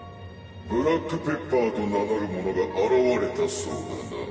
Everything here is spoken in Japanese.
「ブラックペッパーと名乗る者があらわれたそうだな」